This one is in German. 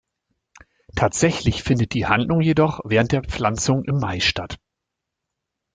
Tatsächlich findet die Handlung jedoch während der "Pflanzung" im Mai statt.